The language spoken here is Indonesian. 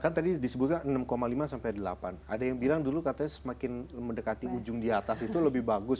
kan tadi disebutkan enam lima sampai delapan ada yang bilang dulu katanya semakin mendekati ujung di atas itu lebih bagus